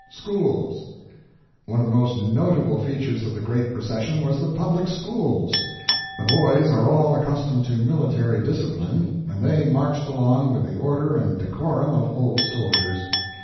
SCHOOLS.—One of the most notable features of the great Procession was the public schools. The boys are all accustomed to military discipline, and they marched along with the order and decorum of old soldiers.